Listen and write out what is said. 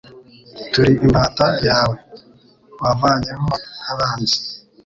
Turi imbata yaweWavanyeho abanzi